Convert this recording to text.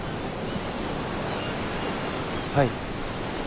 はい。